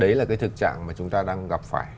đấy là cái thực trạng mà chúng ta đang gặp phải